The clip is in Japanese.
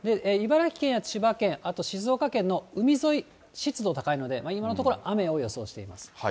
茨城県や千葉県、あと静岡県の海沿い、湿度高いので、今のところ雨を予想しています。